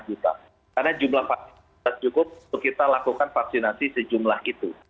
karena jumlah vaksin tak cukup untuk kita lakukan vaksinasi sejumlah itu